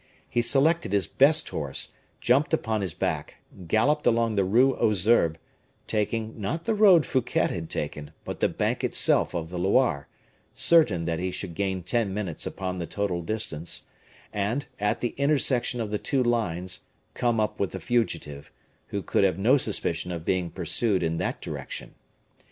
He selected his best horse, jumped upon his back, galloped along the Rue aux Herbes, taking, not the road Fouquet had taken, but the bank itself of the Loire, certain that he should gain ten minutes upon the total distance, and, at the intersection of the two lines, come up with the fugitive, who could have no suspicion of being pursued in that direction.